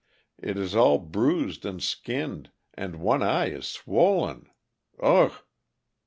It is all bruised and skinned, and one eye is swollen ugh!